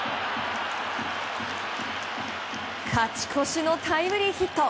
勝ち越しのタイムリーヒット！